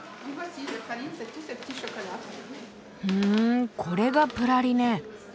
ふんこれがプラリネ。